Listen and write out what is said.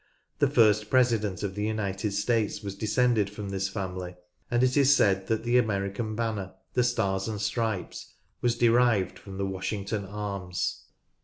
The first President of the United States was descended from this family, and it is said that the American banner, "The Stars and Stripes," was derived from the Washington Arms.